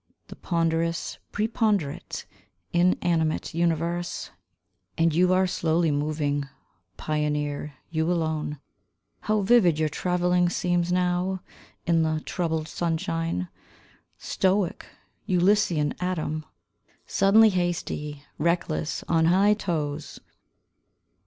The ponderous, preponderate, Inanimate universe; And you are slowly moving, pioneer, you alone. How vivid your travelling seems now, in the troubled sunshine, Stoic, Ulyssean atom; Suddenly hasty, reckless, on high toes.